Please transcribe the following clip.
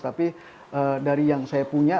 tapi dari yang saya punya